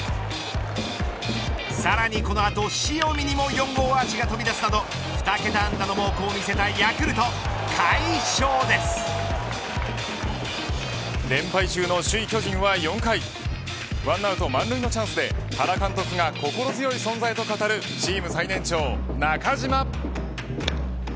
さらにこの後、塩見にも４号アーチが飛び出すなど２桁安打の猛攻を見せたヤクルト連敗中の首位巨人は４回１アウト満塁のチャンスで原監督が心強い存在と語るチーム最年長、中島。